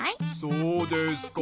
そうですか。